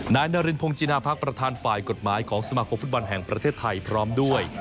นายนารินพงศินาพักประธานฝ่ายกฎหมายของสมาคมฟุตบอลแห่งประเทศไทยพร้อมด้วย